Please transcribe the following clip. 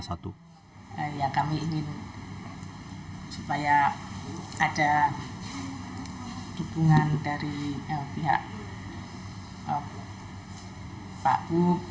ya kami ingin supaya ada dukungan dari pihak paku